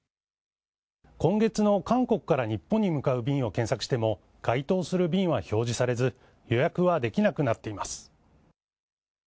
今月の韓国から日本に向かう便を検索しても、該当する便は表示されず予約はできなくなっています。